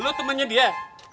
lo temennya dia